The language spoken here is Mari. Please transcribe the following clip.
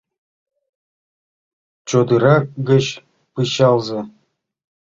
Чодыра гыч пычалзе...